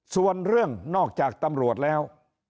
ส่วนเรื่องนอกจากตำรวจแล้ว